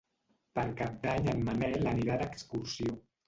Per Cap d'Any en Manel anirà d'excursió.